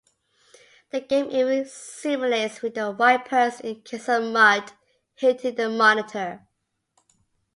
The game even simulates window wipers in case of mud hitting the monitor.